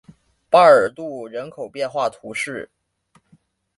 巴尔杜人口变化图示